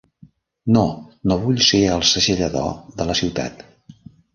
No, no vull ser el segellador de la ciutat.